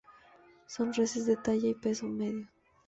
Son reses de talla y peso medios.